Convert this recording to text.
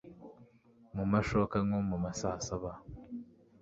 Mu mashoka nko mu masaa saba